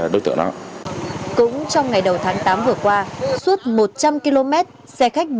đều trú ở xã an vĩnh